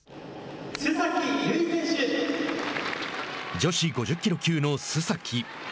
女子５０キロ級の須崎。